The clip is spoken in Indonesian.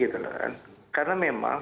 gitu kan karena memang